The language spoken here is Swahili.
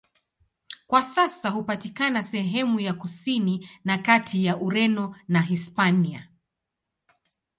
Kwa sasa hupatikana sehemu ya kusini na kati ya Ureno na Hispania.